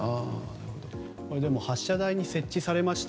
でも、発射台に設置されました。